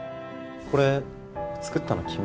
これ作ったの君？